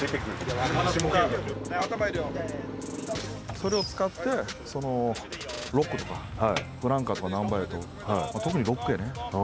それを使って、ロックとか、フランカーとか、ナンバーエイト、特にロックやね。